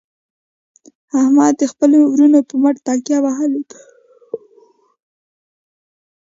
احمد د خپلو ورڼو په مټ تکیه وهلې ده.